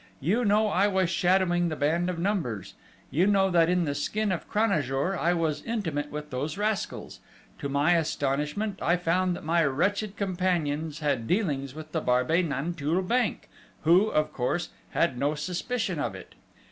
You know I was shadowing the band of Numbers. You know that in the skin of Cranajour I was intimate with those rascals. To my astonishment I found that my wretched companions had dealings with the Barbey Nanteuil bank, who, of course, had no suspicion of it!